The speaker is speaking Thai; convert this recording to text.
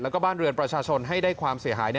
แล้วก็บ้านเรือนประชาชนให้ได้ความเสียหาย